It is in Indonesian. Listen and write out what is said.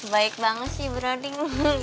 baik banget sih bro diman